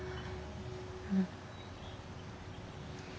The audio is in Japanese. うん。